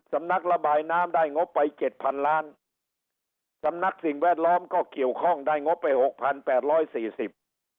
สำนักระบายน้ำได้งบไปเจ็ดพันล้านสำนักสิ่งแวดล้อมก็เกี่ยวข้องได้งบไปหกพันแปดร้อยสี่สิบ